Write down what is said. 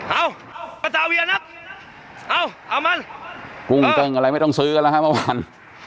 เอาเศร้าเยือนเอาแมงกุ้งเงินอะไรไม่ต้องซื้อแล้วเขาวัน